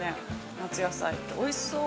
夏野菜、おいしそう。